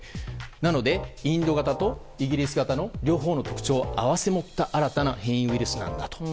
なので、インド型とイギリス型の両方の特徴を併せ持った新たな変異ウイルスなんだと。